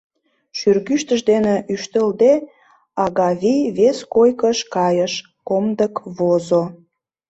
Шӱргӱштыш дене ӱштылде, Агавий вес койкыш кайыш, комдык возо.